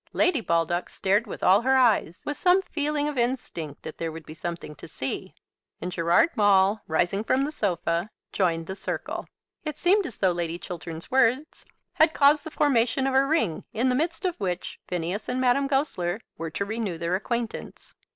Lady Baldock stared with all her eyes, with some feeling of instinct that there would be something to see; and Gerard Maule, rising from the sofa, joined the circle. It seemed as though Lady Chiltern's words had caused the formation of a ring in the midst of which Phineas and Madame Goesler were to renew their acquaintance.